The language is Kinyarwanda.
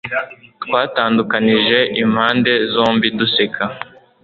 Twatandukanije impande zombi duseka /